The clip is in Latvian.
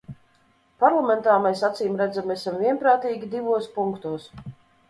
Parlamentā mēs acīmredzami esam vienprātīgi divos punktos.